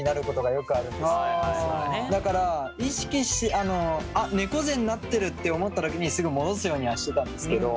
だから意識してあ猫背になってるって思ったときにすぐ戻すようにはしてたんですけど。